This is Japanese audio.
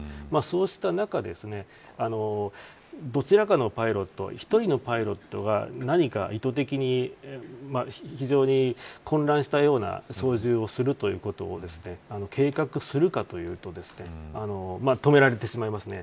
そうした中ですねどちらかのパイロット１人のパイロットが意図的に非常に混乱したような操縦をするということを計画するかというと止められてしまいますね。